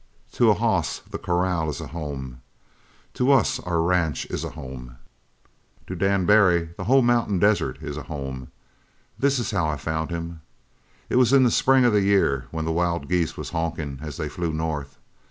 To a hoss the corral is a home. To us our ranch is a home. To Dan Barry the whole mountain desert is a home! This is how I found him. It was in the spring of the year when the wild geese was honkin' as they flew north.